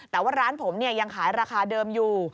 แต่ว่าร้านผมยังขายราคาเดิมอยู่